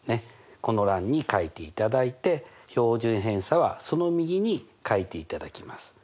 この欄に書いていただいて標準偏差はその右に書いていただきます。